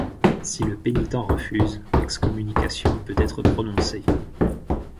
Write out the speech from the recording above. Si le pénitent refuse, l'excommunication peut être prononcée.